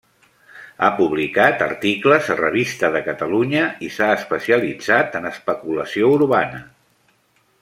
Ha publicat articles a Revista de Catalunya i s'ha especialitzat en especulació urbana.